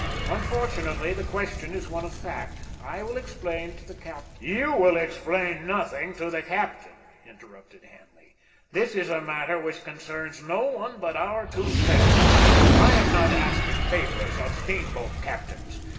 Unfortunately, the question is one of fact. I will explain to the captain——" "You will explain nothing to the captain!" interrupted Hanley. "This is a matter which concerns no one but our two selves. I am not asking favors of steamboat captains.